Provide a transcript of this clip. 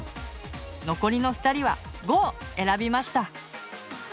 残りの２人は５を選びました。